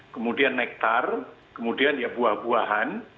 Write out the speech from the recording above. kemudian nektar kemudian ya buah buahan